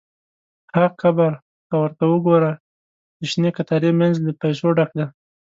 – ها قبر! ته ورته وګوره، د شنې کتارې مینځ له پیسو ډک دی.